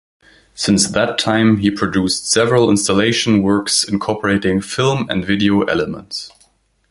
Since that time, he produced several installation works incorporating film and video elements.